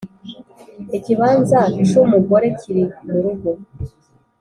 ikibanza c'umugore kiri murugo